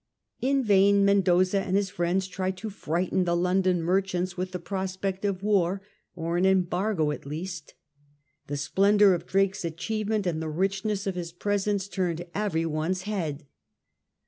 In vain Mendoza and his friends tried to frighten the London merchants with the prospect of war, or an embargo at least. The splendour of Drake's achievement, and the richness of his presents, turned every one's head.